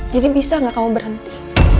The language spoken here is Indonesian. jadi bisa gak kamu berhenti